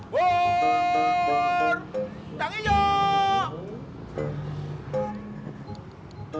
burr jangan nginyak